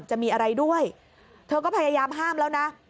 จะมีอะไรด้วยเธอก็พยายามห้ามแล้วนะ